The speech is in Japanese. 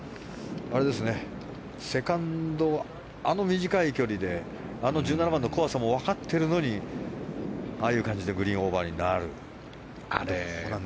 セカンドあの短い距離であの１７番の怖さも分かってるのにああいう感じでグリーンオーバーになる。